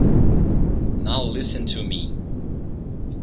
Now listen to me.